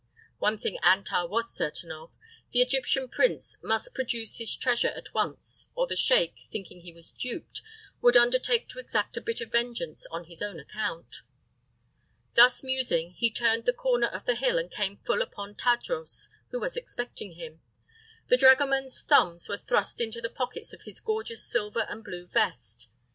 One thing Antar was certain of the Egyptian prince must produce his treasure at once or the sheik, thinking he was duped, would undertake to exact a bit of vengeance on his own account. Thus musing, he turned the corner of the hill and came full upon Tadros, who was expecting him. The dragoman's thumbs were thrust into the pockets of his gorgeous silver and blue vest.